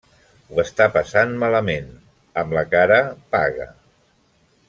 Ho està passant malament. Amb la cara paga.